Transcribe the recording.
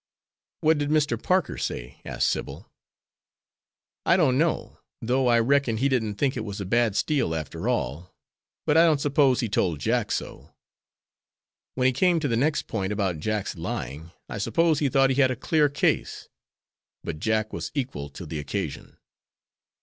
'" "What did Mr. Parker say?" asked Sybil. "I don't know, though I reckon he didn't think it was a bad steal after all, but I don't suppose he told Jack so. When he came to the next point, about Jack's lying, I suppose he thought he had a clear case; but Jack was equal to the occasion."